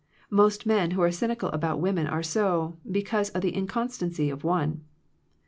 Most men who are cyn ical about women are so, because of the inconstancy of one.